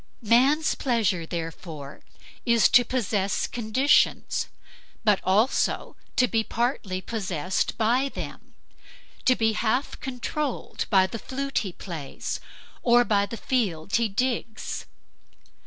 Man's pleasure, therefore, is to possess conditions, but also to be partly possessed by them; to be half controlled by the flute he plays or by the field he digs.